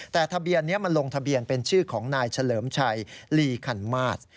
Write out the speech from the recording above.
แต่ทะเบียนนี้มันลงทะเบียนเป็นชื่อของนายเฉลิมชัยลีคันมาส